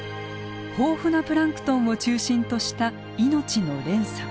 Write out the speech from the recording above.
豊富なプランクトンを中心とした命の連鎖。